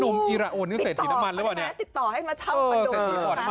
หนุ่มอิราตอิรัตแล้วเห็นไหมติดต่อให้เมื่อเช่า